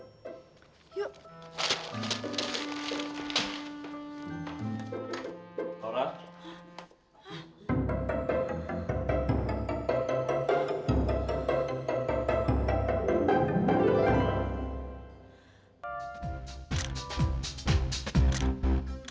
jangan lupa subscribe muslim assalamualaikum